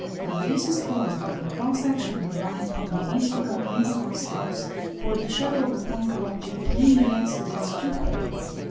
That this is caused by the cross action of the light we may easily convince ourselves; for the shadow of a pointed object plainly exhibits two points.